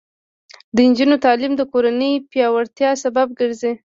د نجونو تعلیم د کورنۍ پیاوړتیا سبب ګرځي.